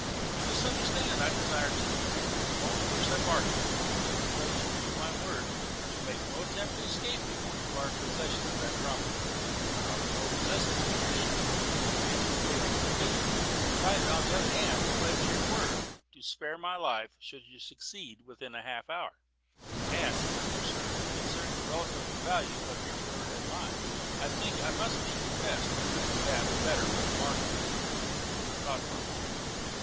"You misunderstand. I desire neither; I only wish a bargain. I am ready to pledge you my word to make no attempt to escape before you are in possession of that property, and to offer no resistance to your shooting me in case you fail to obtain it, provided on the other hand you pledge your word to spare my life should you succeed within half an hour. And, my dear sir, considering the relative value of your word and mine, I think it must be confessed you have the better of the bargain." I thought for a moment.